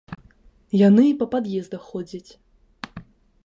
Яны і па пад'ездах ходзяць.